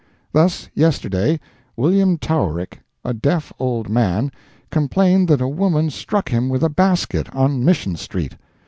Thus, yesterday, William Towerick, a deaf old man, complained that a woman struck him with a basket, on Mission street.